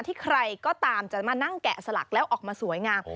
ใครก็ตามจะมานั่งแกะสลักแล้วออกมาสวยงาม